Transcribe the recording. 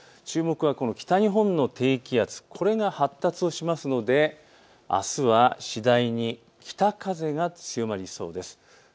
注目は北日本の低気圧、これが発達をしますのであすは次第に北風が強まりそうです。